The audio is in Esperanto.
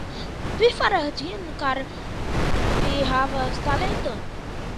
Vi faras ĝin ĉar vi havas talenton.